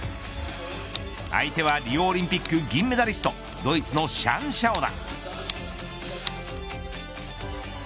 相手はリオオリンピック銀メダリスト、ドイツのシャン・シャオナ。